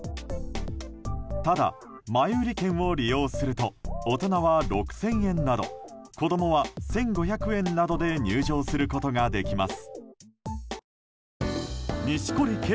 ただ、前売り券を利用すると大人は６０００円など子供は１５００円などで入場することができます。